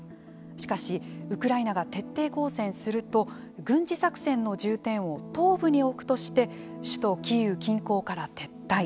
しかし、ウクライナが徹底抗戦すると軍事作戦の重点を東部に置くとして首都キーウ近郊から撤退。